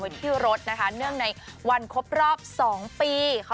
ไว้ที่รถนะคะเนื่องในวันครบรอบสองปีขอย